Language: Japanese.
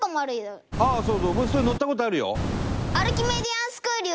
僕それ乗った事あるよ。